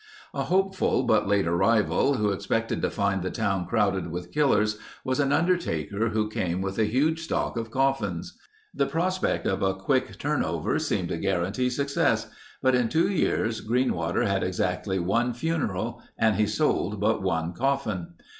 A hopeful, but late arrival who expected to find the town crowded with killers was an undertaker who came with a huge stock of coffins. The prospect of a quick turnover seemed to guarantee success, but in two years Greenwater had exactly one funeral and he sold but one coffin.